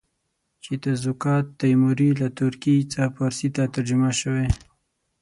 چې تزوکات تیموري له ترکي څخه فارسي ته ترجمه شوی.